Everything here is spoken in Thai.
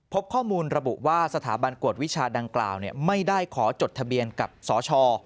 พบข้อมูลระบุว่าสถาบันกวดวิชาดังกล่าวไม่ได้ขอจดทะเบียนกับสช